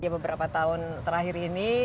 beberapa tahun terakhir ini